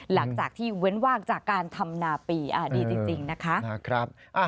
หลังจากที่เว้นว่างจากการทำนาปีดีจริงนะคะ